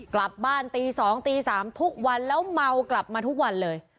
กลับบ้านตี๒ตี๓ทุกวันแล้วเมากลับมาทุกวันเลย